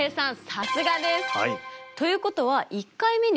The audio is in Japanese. さすがです！